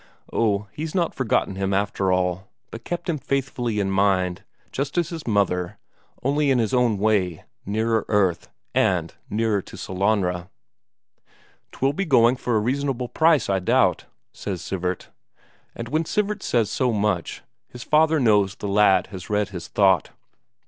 Oh, he's not forgotten him after all, but kept him faithfully in mind, just as his mother, only in his own way, nearer earth, and nearer to Sellanraa. "'Twill be going for a reasonable price, I doubt," says Sivert. And when Sivert says so much, his father knows the lad has read his thought.